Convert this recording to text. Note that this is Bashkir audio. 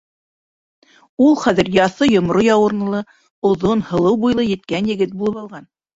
Ул хәҙер яҫы йомро яурынлы, оҙон, һылыу буйлы еткән егет булып алған.